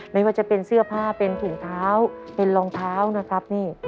ไม่ว่าจะเป็นเสื้อผ้าเป็นถุงเท้าเป็นรองเท้านะครับนี่